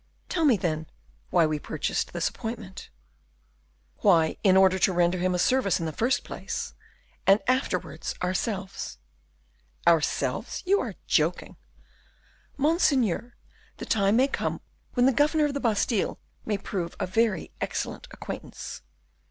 "Tell me, then, why we purchased this appointment." "Why, in order to render him a service in the first place, and afterwards ourselves." "Ourselves? You are joking." "Monseigneur, the time may come when the governor of the Bastile may prove a very excellent acquaintance."